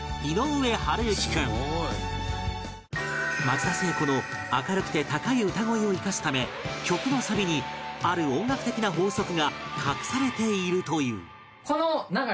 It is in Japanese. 松田聖子の明るくて高い歌声を生かすため曲のサビにある音楽的な法則が隠されているという